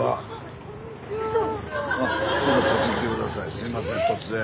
すいません突然。